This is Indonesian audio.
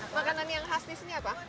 makanan yang khas di sini apa